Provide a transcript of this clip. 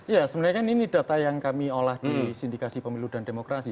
ya sebenarnya kan ini data yang kami olah di sindikasi pemilu dan demokrasi